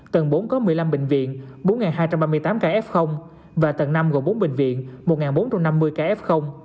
tầng bốn có một mươi năm bệnh viện bốn hai trăm ba mươi tám ca f và tầng năm gồm bốn bệnh viện một bốn trăm năm mươi ca f